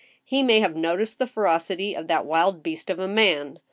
He may have noticed the ferocity of that wild beast of a man.